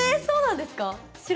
そうなんですか？